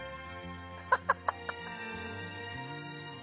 ハハハハ！